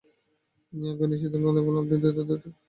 মিয়া গনি শীতল গলায় বললেন, আপনি এত দ্রুত কথা বলছেন কেন?